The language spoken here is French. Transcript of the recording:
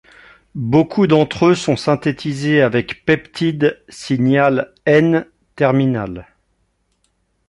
Beaucoup d'entre eux sont synthétisés avec peptide signal N-terminal.